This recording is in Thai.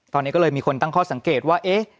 ตอนนี้ก็เลยมีคนตั้งข้อสังเกตว่าเอ๊ะ